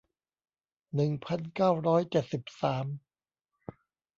หนึ่งพันเก้าร้อยเจ็ดสิบสาม